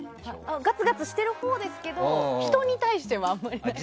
ガツガツしてるほうですけど人に対してはあまりない。